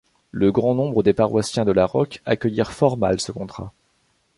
Le grand nombre des paroissiens de Laroque accueillirent fort mal ce contrat.